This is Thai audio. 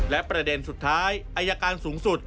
และประเด็นสุดท้ายอายการสูงสุด